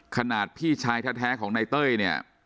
ขนาดพี่ชายแท้ของนายเต้ยเนี่ย